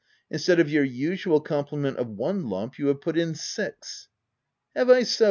Instead of your usual complement of one lump you have put in six." ff Have I so?"